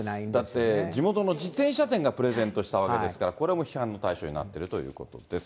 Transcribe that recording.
だって地元の自転車店がプレゼントしたわけですから、これも批判の対象になっているということです。